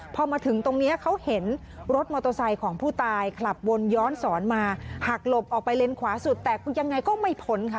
พอมาถึงตรงนี้เขาเห็นรถมอเตอร์ไซค์ของผู้ตายขับวนย้อนสอนมาหักหลบออกไปเลนขวาสุดแต่ยังไงก็ไม่พ้นค่ะ